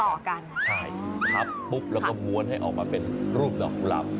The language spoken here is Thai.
ต่อกันใช่ทับปุ๊บแล้วก็ม้วนให้ออกมาเป็นรูปดอกกุหลาบ